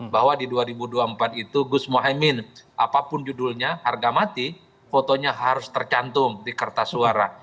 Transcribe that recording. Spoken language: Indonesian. bahwa di dua ribu dua puluh empat itu gus mohaimin apapun judulnya harga mati fotonya harus tercantum di kertas suara